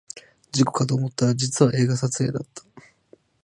事故かと思ったら実は映画撮影だった